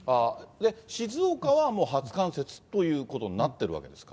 静岡は初冠雪ということになってるわけですか。